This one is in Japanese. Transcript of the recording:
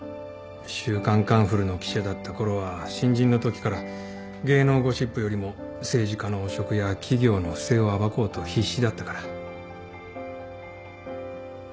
『週刊カンフル』の記者だったころは新人のときから芸能ゴシップよりも政治家の汚職や企業の不正を暴こうと必死だったから。